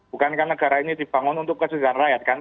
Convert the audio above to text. bukan kan negara ini dibangun untuk keseluruhan rakyat kan